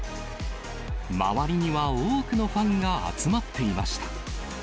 周りには多くのファンが集まっていました。